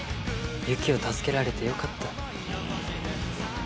ユキを助けられてよかった。